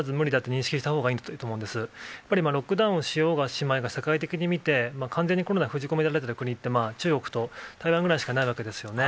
やっぱりロックダウンをしようがしまいが、世界的に見て完全にコロナを封じ込められた国って、中国と台湾ぐらいしかないわけですよね。